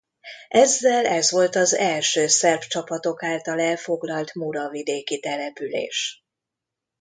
Ezzel ez volt az első szerb csapatok által elfoglalt muravidéki település.